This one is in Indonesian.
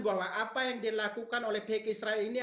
bola apa yang dilakukan oleh pihak israel ini